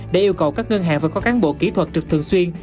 đã yêu cầu các ngân hàng phải có cán bộ kỹ thuật trực thường xuyên